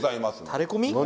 タレコミ？